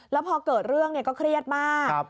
แล้วพอเกิดเรื่องก็เครียดมาก